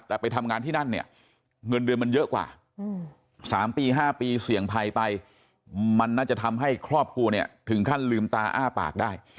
แต่ไปทำงานที่นั่นเนี่ยเงินเดือนมันเยอะกว่า๓ปี๕ปีเสี่ยงภัยไปมันน่าจะทำให้ครอบครัวเนี่ยถึงขั้นลืมตาอ้าปากได้